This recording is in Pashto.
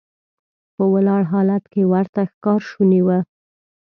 په ولاړ حالت کې ورته ښکار شونی و.